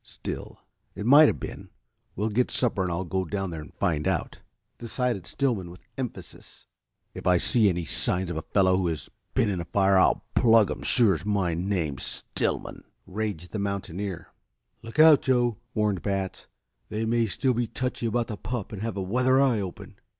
Still, it might have been. We'll get supper and I'll go down there and find out," decided Stillman with emphasis. "If I see any signs of a fellow who has been in a fire I'll plug him sure as my name's Stillman," raged the mountaineer. "Look out, Joe!" warned Batts. "They may still be touchy about the pup and have a weather eye open."